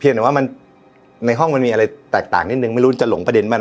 เดี๋ยวว่ามันในห้องมันมีอะไรแตกต่างนิดนึงไม่รู้จะหลงประเด็นบ้างนะ